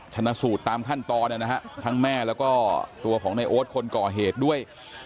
ชนะสูตรตามขั้นตอนนะฮะทั้งแม่แล้วก็ตัวของในโอ๊ตคนก่อเหตุด้วย